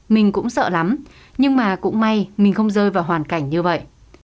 mình cũng sợ lắm nhưng mà cũng may mình không rơi vào hoàn cảnh như vậy